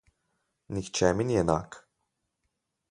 Nihče mi ni enak.